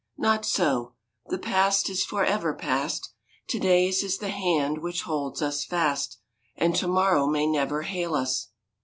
Not so. The past is forever past; To day's is the hand which holds us fast, And to morrow may never hail us.